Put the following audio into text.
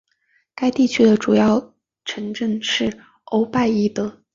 该地区的主要城镇是欧拜伊德。